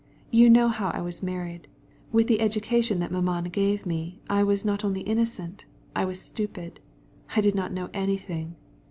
You know how I was married. With the education mamma gave us I was more than innocent, I was stupid. I knew nothing.